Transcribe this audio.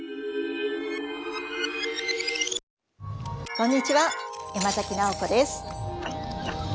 こんにちは山崎直子です。